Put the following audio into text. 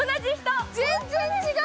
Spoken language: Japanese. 全然違う。